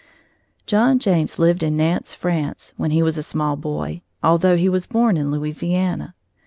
John James lived in Nantes, France, when he was a small boy, although he was born in Louisiana.